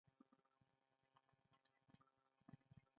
د کائناتو د پيدايښت تر شا څه راز پټ دی؟